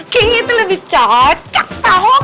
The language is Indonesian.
kayaknya itu lebih cocok tau